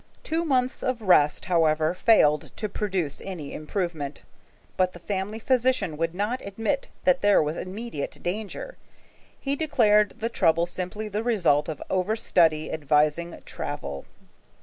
Two months of rest, however, failed to produce any improvement, but the family physician would not admit that there was immediate danger, and declared the trouble simply the result of overstudy, advising travel.